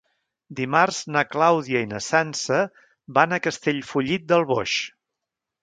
Dimarts na Clàudia i na Sança van a Castellfollit del Boix.